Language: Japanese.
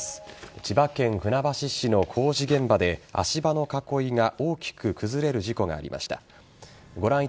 千葉県船橋市の工事現場で足場の囲いが大きく崩れる事故がありました。